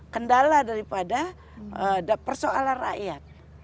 kendala daripada persoalan rakyat